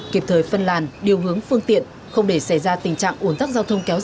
kịp thời phân làn điều hướng phương tiện không để xảy ra tình trạng ủn tắc giao thông kéo dài